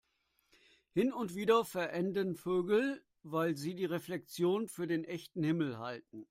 Hin und wieder verenden Vögel, weil sie die Reflexion für den echten Himmel halten.